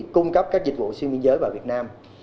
cung cấp các dịch vụ xuyên biên giới vào việt nam